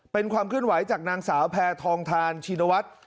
เป็นความเคลื่อนไหวจากนางสาวแพทองทานชินวัฒน์